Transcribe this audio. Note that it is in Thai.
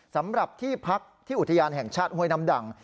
สำหรับที่พักที่อุทยานแห่งชาติห้วยน้ำดัง